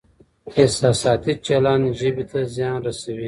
احساساتي چلند ژبې ته زیان رسوي.